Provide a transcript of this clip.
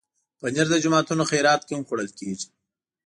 پنېر د جوماتونو خیرات کې هم خوړل کېږي.